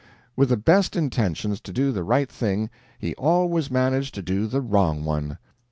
With the best intentions to do the right thing, he always managed to do the wrong one.